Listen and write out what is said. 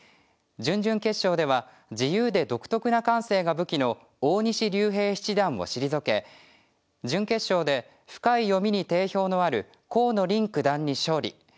準々決勝では自由で独特の感性が武器の大西竜平七段を退け準決勝で深い読みに定評のある河野臨九段に勝利。